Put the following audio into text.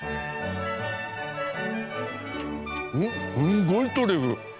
すんごいトリュフ！